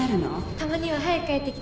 たまには早く帰ってきてね。